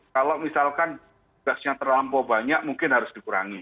kalau misalkan gasnya terlampau banyak mungkin harus dikurangi